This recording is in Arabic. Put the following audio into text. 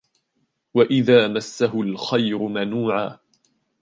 وَإِذَا مَسَّهُ الْخَيْرُ مَنُوعًا